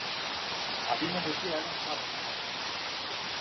Adimen urriaren jabe naiz.